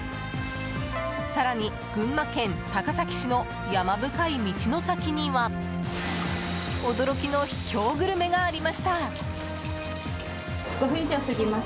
更に、群馬県高崎市の山深い道の先には驚きの秘境グルメがありました。